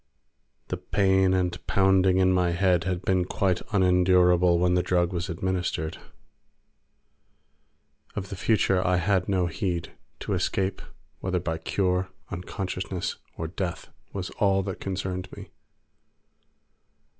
The pain and pounding in my head had been quite unendurable when the drug was administered. Of the future I had no heed; to escape, whether by cure, unconsciousness, or death, was all that concerned me.